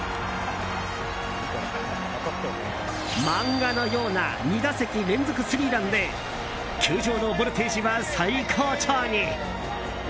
漫画のような２打席連続スリーランで球場のボルテージは最高潮に！